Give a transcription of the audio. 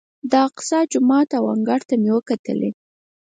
د اقصی جومات او انګړ ته مې وکتلې.